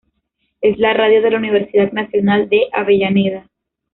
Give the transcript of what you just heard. Es la radio de la Universidad Nacional de Avellaneda.